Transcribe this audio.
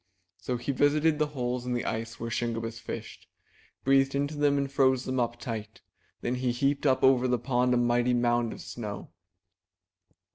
So he visited the holes in the ice where Shingebiss fished, breathed into them and froze them up tight: then he heaped up over the pond a mighty mound of snow.